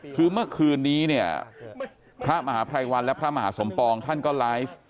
คือเมื่อคืนนี้เนี่ยพระมหาภัยวันและพระมหาสมปองท่านก็ไลฟ์